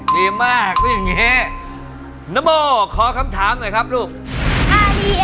ดีมากก็อย่างนี้